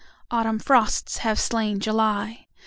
Autumn frosts have slain July.